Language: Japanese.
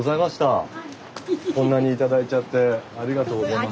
こんなに頂いちゃってありがとうございます。